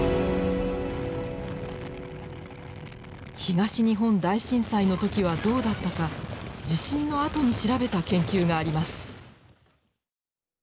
東日本大震災の時はどうだったか地震のあとに調べた研究があります。